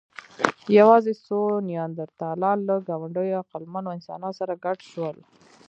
یواځې څو نیاندرتالان له ګاونډيو عقلمنو انسانانو سره ګډ شول.